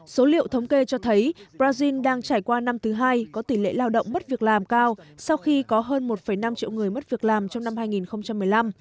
số liệu thống kê cho thấy brazil đang trải qua năm thứ hai có tỷ lệ lao động mất việc làm cao sau khi có hơn một năm triệu người mất việc làm trong năm hai nghìn một mươi năm